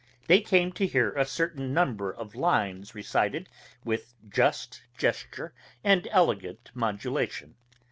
They came to hear a certain number of lines recited with just gesture and elegant modulation.